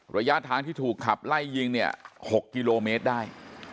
ระยะทางที่ถูกขับไล่ยิงเนี่ย๖กิโลเมตรได้